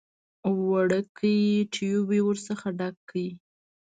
وړوکی ټيوب يې ورڅخه ډک کړ.